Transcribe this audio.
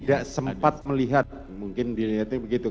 tidak sempat melihat mungkin dilihatnya begitu